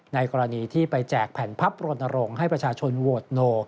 ในกรณีที่ไปแจกแผ่นพับโรนโรงให้ประชาชนโวทน์โน